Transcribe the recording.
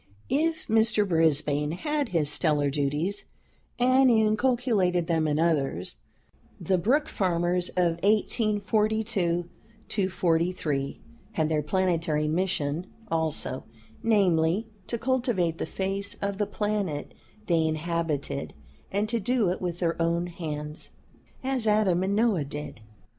If Mr. Brisbane had his "stellar duties" and inculcated them in others, the Brook Farmers of 1842 43 had their planetary mission also; namely, to cultivate the face of the planet they inhabited, and to do it with their own hands, as Adam and Noah did.